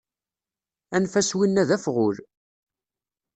Anef-as win-a d afɣul